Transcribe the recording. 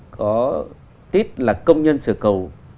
có tít là công nhân sửa cầu